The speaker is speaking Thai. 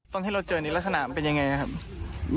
ตอนที่เราเจอนี่ลักษณะมันเป็นยังไงนะครับ